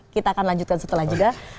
kita akan lanjutkan setelah jeda